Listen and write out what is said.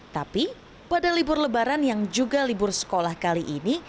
tapi pada libur lebaran yang juga libur sekolah kali ini